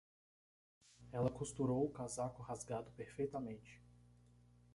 Ela costurou o casaco rasgado perfeitamente.